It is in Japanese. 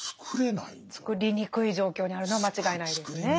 つくりにくい状況にあるのは間違いないですね。